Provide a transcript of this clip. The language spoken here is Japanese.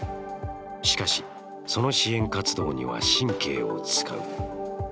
しかし、その支援活動には神経を使う。